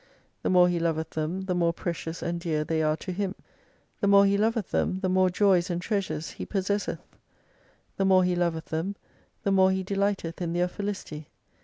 The more He loveth them, the more precious and dear they are to him. The more He loveth them, the more joys and treasures He possesseth. The more He loveth them the more He delighteth in their felicity.